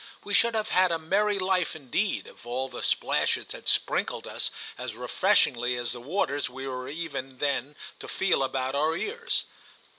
We should have had a merry life indeed if all the splashes had sprinkled us as refreshingly as the waters we were even then to feel about our ears.